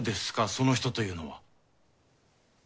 その人というのは。